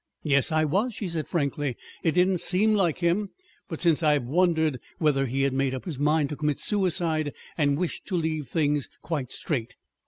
"Yes, I was," she said frankly. "It didn't seem like him. But since I've wondered whether he had made up his mind to commit suicide and wished to leave things quite straight."